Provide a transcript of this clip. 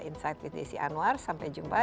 insight with desi anwar sampai jumpa